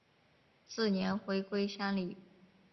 次年回归乡里。